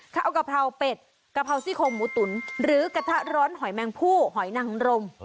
ข้าวกะเพราเป็ดกะเพราซี่โคงหมูตุ๋นหรือกระทะร้อนหอยแมงผู้หอยนังรม